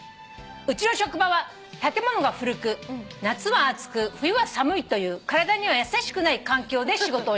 「うちの職場は建物が古く夏は暑く冬は寒いという体には優しくない環境で仕事をしています」